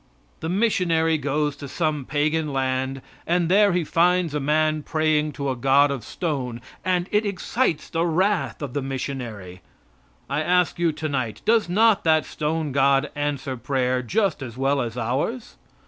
The missionary goes to some pagan land, and there he finds a man praying to a god of stone, and it excites the wrath of the missionary. I ask you tonight, does not that stone god answer prayer just as well as ours?